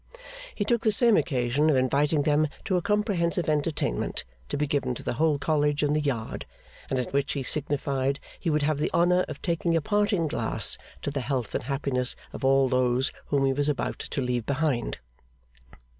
He took the same occasion of inviting them to a comprehensive entertainment, to be given to the whole College in the yard, and at which he signified he would have the honour of taking a parting glass to the health and happiness of all those whom he was about to leave behind.